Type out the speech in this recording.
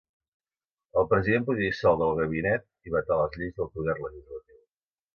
El president podia dissoldre el gabinet i vetar les lleis del poder legislatiu.